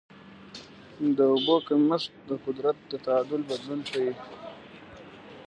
د اوبو کمښت د قدرت د تعادل بدلون ښيي.